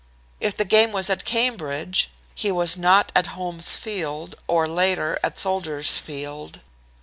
If the game was at Cambridge, he was not at Holmes Field, or later, at Soldiers' Field.